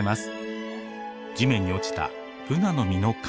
地面に落ちたブナの実の殻。